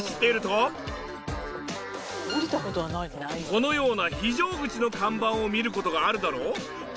このような非常口の看板を見る事があるだろう？